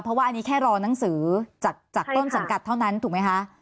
เพราะว่าอันนี้แค่รอนังสือจากต้นสังกัดเท่านั้นถูกไหมคะ